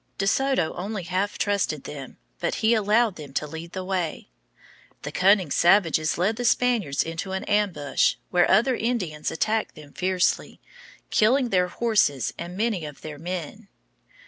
De Soto only half trusted them, but he allowed them to lead the way. The cunning savages led the Spaniards into an ambush, where other Indians attacked them fiercely, killing their horses and many of their men.